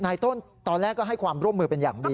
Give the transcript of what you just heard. ต้นตอนแรกก็ให้ความร่วมมือเป็นอย่างดี